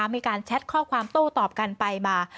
แชทข้อความโต้ตอบกันไปมา